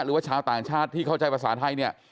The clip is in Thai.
หรือว่าชาวต่างชาติที่เข้าใจภาษาไทยเนี่ย